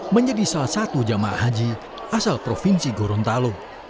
menjadi salah satu jemaah haji asal provinsi gorontalo